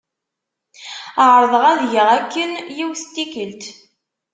Ԑerḍeɣ ad geɣ akken yiwet n tikelt.